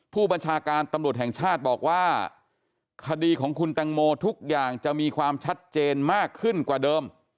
ผู้บัญชาการตำรวจแห่งชาติบอกว่าคดีของคุณแตงโมทุกอย่างจะมีความชัดเจนมากขึ้นกว่าเดิม